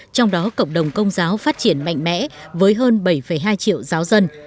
trong đó cộng đồng công giáo phát triển mạnh mẽ với hơn bảy hai triệu giáo dân